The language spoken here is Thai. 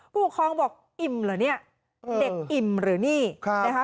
ผู้ปกครองบอกอิ่มเหรอเนี่ยเด็กอิ่มหรือนี่นะคะ